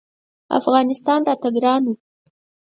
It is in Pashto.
افغانستان راته ګران و.